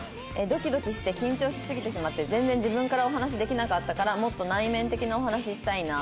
ドキドキして緊張しすぎてしまって全然自分からお話できなかったからもっと内面的なお話したいな」